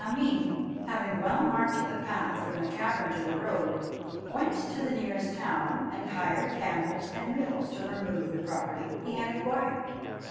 Ameen having well marked the path from the cavern to the road, went to the nearest town and hired camels and mules to remove the property he had acquired.